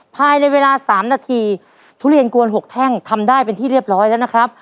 ภายในเวลา๓นาทีทุเรียนกวน๖แท่งทำได้เป็นที่เรียบร้อยแล้วนะครับ